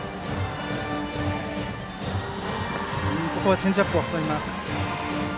チェンジアップを挟みます。